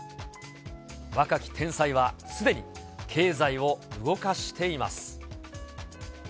若き天才はすでに経済を動かしています。